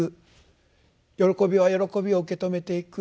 喜びは喜びを受け止めていく。